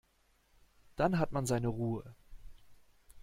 Dann hat man seine Ruhe.